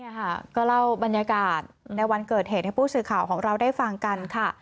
นี่ค่ะก็เล่าบรรยากาศในวันเกิดเหตุให้ผู้สื่อข่าวของเราได้ฟังกันค่ะ